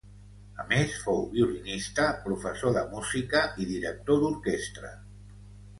A més, fou violinista, professor de música i director d'orquestra.